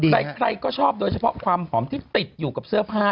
แต่ใครก็ชอบโดยเฉพาะความหอมที่ติดอยู่กับเสื้อผ้า